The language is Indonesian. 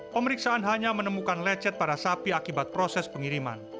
pemeriksaan hanya menemukan lecet pada sapi akibat proses pengiriman